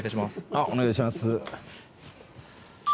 あっお願いします。